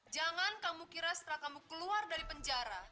jangan kamu kira setelah kamu keluar dari penjara